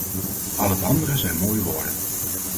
Al het andere zijn mooie woorden.